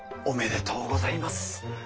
おめでとうございます。